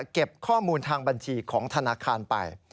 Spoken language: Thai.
เก็บข้อมูลทางบัญชีของธนาคารไป